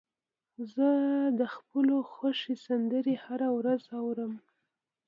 زه د خپلو خوښې سندرې هره ورځ اورم.